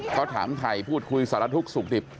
เขาถามถ่ายพูดคุยสารทุกข์สุขดิบ